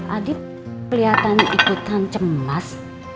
adit keliatan ikutan cemas